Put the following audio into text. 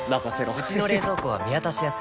うちの冷蔵庫は見渡しやすい